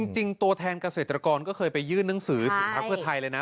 ตัวแทนเกษตรกรก็เคยไปยื่นหนังสือถึงพักเพื่อไทยเลยนะ